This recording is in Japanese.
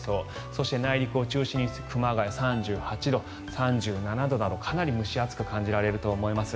そして内陸を中心に熊谷３８度３７度などかなり蒸し暑く感じられると思います。